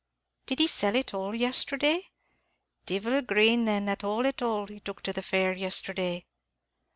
"Did he sell it all, yesterday?" "Divil a grain, then, at all at all, he took to the fair yesterday."